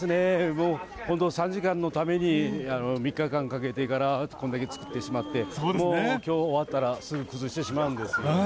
もう、この３時間のために３日かけてから、こんだけつくってしまって、もうきょう終わったら、すぐ崩してしまうんですけれどもね。